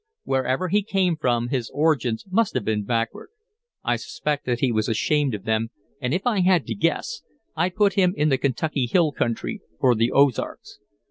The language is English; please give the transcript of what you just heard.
Wherever he came from, his origins must have been backward. I suspect that he was ashamed of them, and if I had to guess, I'd put him in the Kentucky hill country or the Ozarks.